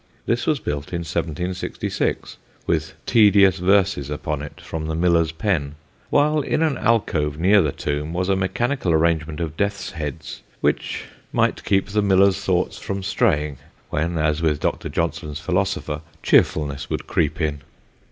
This was built in 1766, with tedious verses upon it from the miller's pen; while in an alcove near the tomb was a mechanical arrangement of death's heads which might keep the miller's thoughts from straying, when, as with Dr. Johnson's philosopher, cheerfulness would creep in.